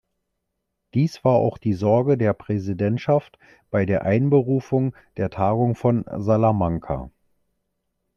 Dies war auch die Sorge der Präsidentschaft bei der Einberufung der Tagung von Salamanca.